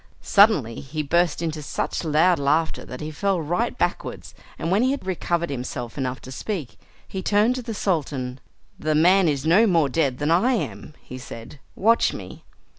Suddenly he burst into such loud laughter that he fell right backwards, and when he had recovered himself enough to speak, he turned to the Sultan. "The man is no more dead than I am," he said; "watch me."